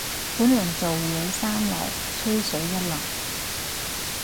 本人做嘢三流，吹水一流。